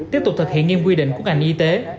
tiếp tục thực hiện nghiêm quy định của ngành y tế